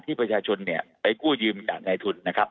ที่ประชาชนเนี่ยไปกู้ยืมการในทุฯ